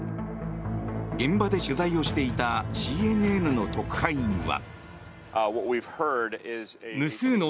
現場で取材をしていたＣＮＮの特派員は。